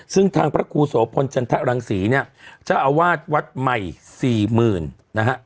ซึ่งทางพระครูโสพลจันทรังศรีเนี่ยเจ้าอาวาสวัดใหม่สี่หมื่นนะฮะ